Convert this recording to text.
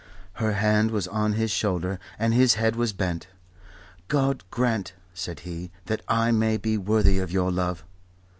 Her hand was on his shoulder and his head was bent. "God grant," said he, "that I may be worthy of your love."